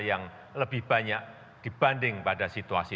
yang lebih banyak dibanding pada situasi